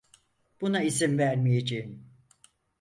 Buna izin vermeyeceğim!